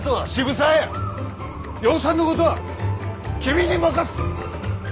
養蚕のことは君に任す！